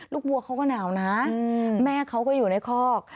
วัวเขาก็หนาวนะแม่เขาก็อยู่ในคอก